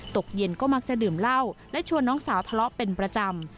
ตกเย็นก็มักจะดื่มเหล้าและชวนน้องสาวทะเลาะเป็นประจำ